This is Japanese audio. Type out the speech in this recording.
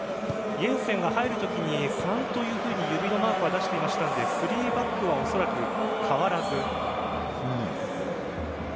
イェンセンが入るときに３というふうに指のマークは出していましたので３バックはおそらく変わらず。